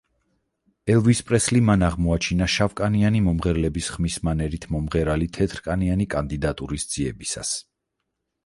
ელვის პრესლი მან აღმოაჩინა შავკანიანი მომღერლების ხმის მანერით მომღერალი თეთრკანიანი კანდიდატურის ძიებისას.